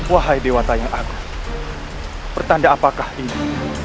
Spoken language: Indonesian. wahai dewa tayang aku pertanda apakah ini